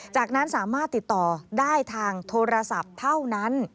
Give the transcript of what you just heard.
จากนั้นสามารถติดต่อได้ทางโทรศัพท์เท่านั้น